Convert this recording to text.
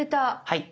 はい。